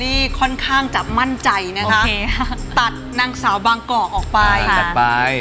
นี่ค่อนข้างจะมั่นใจนะคะตัดนางสาวบางกอกออกไปตัดไป